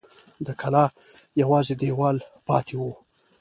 د کلا یوازې دېوال پاته و.